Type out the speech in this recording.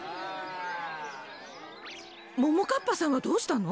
ももかっぱさんはどうしたの？